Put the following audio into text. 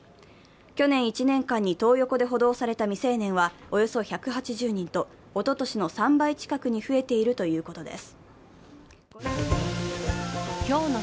去年１年間にトー横で補導された未成年はおよそ１８０人とおととしの３倍近くに増えているということです。